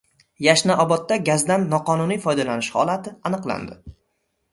Yashnabodda gazdan noqonuniy foydalanish holati aniqlandi